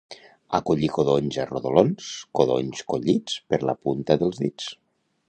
A collir codonys a rodolons, codonys collits per la punta dels dits.